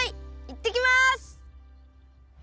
いってきます！